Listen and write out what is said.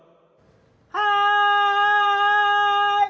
はい。